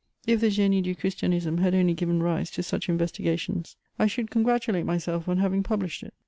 If the Génie du Christianisme had only given rise to such investigations, I should congratulate myself on having published it.